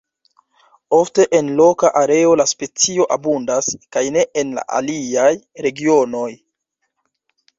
Ofte en loka areo la specio abundas, kaj ne en aliaj regionoj.